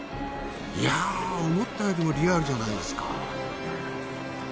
いやぁ思ったよりもリアルじゃないですか。